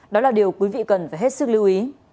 đó là điều quý vị cần phải hết sức lưu ý